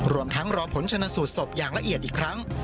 รวมทั้งรอผลชนสูตรศพอย่างละเอียดอีกครั้ง